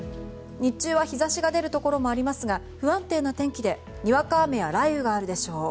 日中は日差しが出るところもありますが不安定な天気でにわか雨や雷雨があるでしょう。